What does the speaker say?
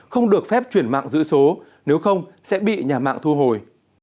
không được phép chuyển mạng giữ số nếu không sẽ bị nhà mạng thu hồi